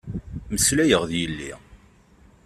Meslayeɣ d yelli.